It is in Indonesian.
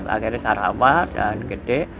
akhirnya sarawak dan gede